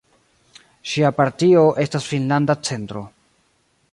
Ŝia partio estas Finnlanda Centro.